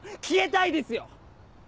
消えたいですよ！